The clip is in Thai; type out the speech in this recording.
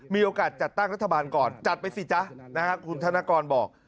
มีโอกาสจัดตั้งรัฐบาลก่อนจัดไปสิจ๊ะคุณธนกรบอก